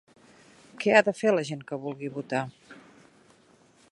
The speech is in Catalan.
Què ha de fer la gent que vulgui votar?